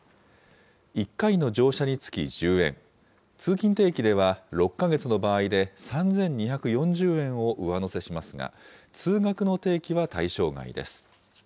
１回の乗車につき１０円、通勤定期では６か月の場合で３２４０円を上乗せしますが、通学の定期は対象外です。